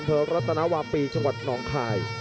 อำเภอรัตนาวาปีจังหวัดนองคลาย